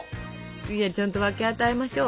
いやちゃんと分け与えましょう。